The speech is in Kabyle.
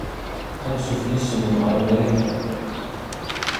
Anṣuf yes-wen ɣer Marikan.